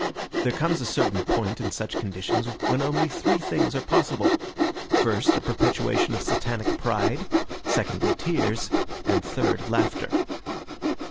There comes a certain point in such conditions when only three things are possible: first a perpetuation of Satanic pride, secondly tears, and third laughter.